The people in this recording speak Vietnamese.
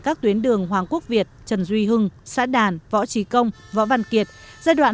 các tuyến đường hoàng quốc việt trần duy hưng xã đàn võ trí công võ văn kiệt giai đoạn hai nghìn một mươi sáu hai nghìn hai mươi